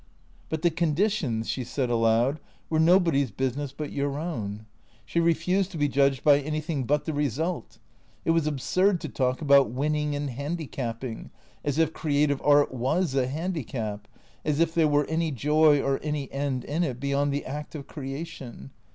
But the conditions, she said aloiid, were nobody's business but your own. She refused to be judged by anything but the result. It was absurd to talk about winning and handicapping; as if creative art was a handicap, as if there were any joy or any end in it beyond the act of creation.